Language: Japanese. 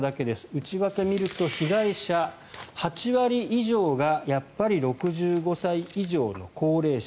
内訳を見ると、被害者８割以上がやっぱり６５歳以上の高齢者。